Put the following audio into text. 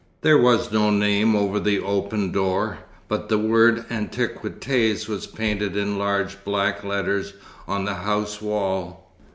There was no name over the open door, but the word "Antiquités" was painted in large black letters on the house wall.